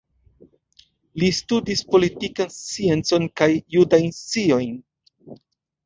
Li studis politikan sciencon kaj judajn sciojn.